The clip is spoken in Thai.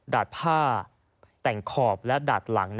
ดาดผ้าแต่งขอบและดาดหลัง